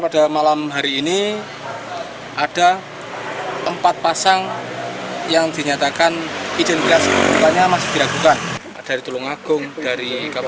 dalam hari ini ada empat pasang yang dinyatakan identitas